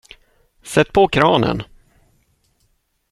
Sätt på kranen.